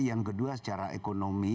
yang kedua secara ekonomi